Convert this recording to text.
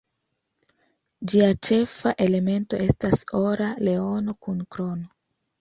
Ĝia ĉefa elemento estas ora leono kun krono.